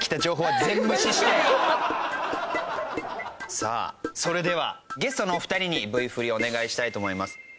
さあそれではゲストのお二人にＶ振りをお願いしたいと思います。